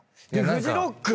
フジロック